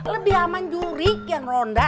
lebih aman jurik yang ronda